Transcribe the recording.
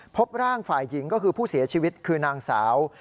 พบร่างฝ่ายหญิงก็คือผู้เสียชีวิตคือนางสาว